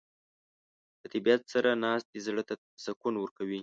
له طبیعت سره ناستې زړه ته سکون ورکوي.